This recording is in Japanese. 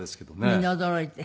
みんな驚いて？